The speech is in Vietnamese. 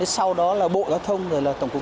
sau đó là bộ giao thông tổng cục